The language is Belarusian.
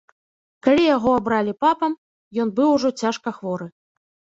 Калі яго абралі папам, ён быў ужо цяжка хворы.